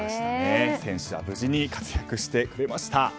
選手は無事に活躍してくれました。